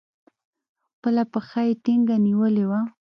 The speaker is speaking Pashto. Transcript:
خپله پښه يې ټينگه نيولې وه.